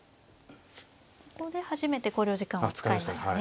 ここで初めて考慮時間を使いましたね。